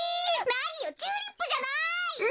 なによチューリップじゃない！